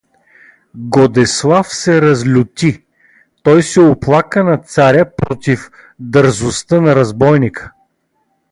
Годеслав се разлюти, той се оплака на царя против дързостта на разбойника.